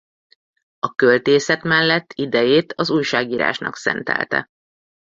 A költészet mellett idejét az újságírásnak szentelte.